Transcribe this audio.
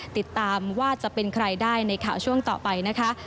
ติดตามว่าจะเป็นใครได้ในข่าวช่วงต่อไปนะคะ